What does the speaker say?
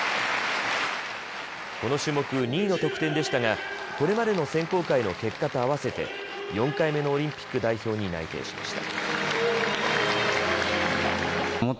この種目２位の得点でしたが、これまでの選考会の結果と合わせて４回目のオリンピック代表に内定しました。